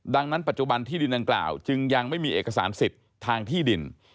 ดังนั้นปัจจุบันที่ดินดังกล่าวจึงยังไม่มีเอกสารสิทธิ์ทางที่ดิน